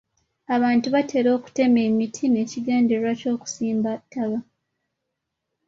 Abantu batera okutema emiti n'ekigendererwa ky'okusimba ttaaba.